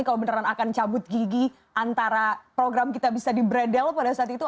kalau beneran akan cabut gigi antara program kita bisa di bredel pada saat itu